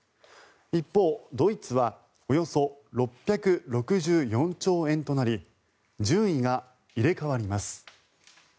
一方、ドイツはおよそ６６４兆円となり順位が入れ替わります。